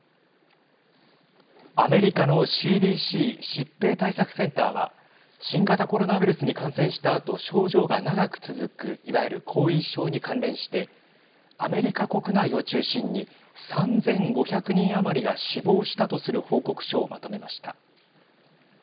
アメリカのＣＤＣ＝疾病対策センターは新型コロナウイルスに感染したあと症状が長く続くいわゆる後遺症に関連してアメリカ国内を中心に３５００人余りが死亡したとする報告書をまとめました。